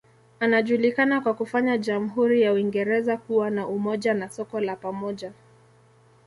Anajulikana kwa kufanya jamhuri ya Uingereza kuwa na umoja na soko la pamoja.